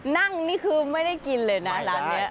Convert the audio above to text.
นี่คือไม่ได้กินเลยนะร้านนี้